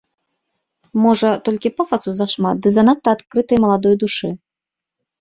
Можа, толькі пафасу зашмат ды занадта адкрытай маладой душы.